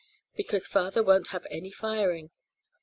"Because father won't have any firing."